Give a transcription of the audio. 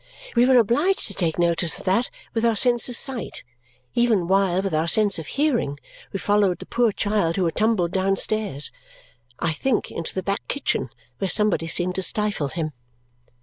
We were obliged to take notice of that with our sense of sight, even while, with our sense of hearing, we followed the poor child who had tumbled downstairs: I think into the back kitchen, where somebody seemed to stifle him.